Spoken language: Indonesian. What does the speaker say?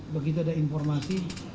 begitu ada informasi